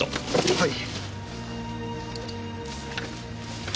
はい。